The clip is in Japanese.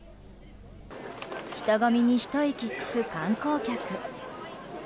人混みに、ひと息つく観光客。